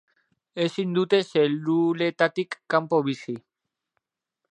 Ezin dute zeluletatik kanpo bizi.